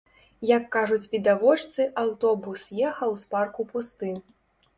Як кажуць відавочцы, аўтобус ехаў з парку пусты.